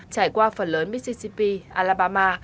trải qua phần lớn mississippi alabama